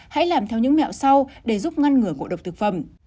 hãy làm theo những mẹo sau để giúp ngăn ngừa ngộ độc thực phẩm